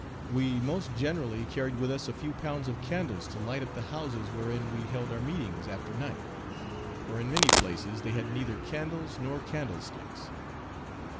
We most generally carried with us a few pounds of candles to light up the houses wherein we held our meetings after night; for in many places, they had neither candles nor candlesticks.